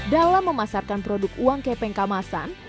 dalam memasarkan produk uang kepeng kamasan